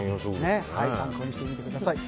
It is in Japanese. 参考にしてみてください。